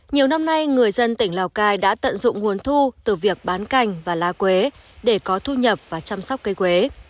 nhiều năm nay người dân tỉnh lào cai đã tận dụng nguồn thu từ việc bán cành và lá quế để có thu nhập và chăm sóc cây quế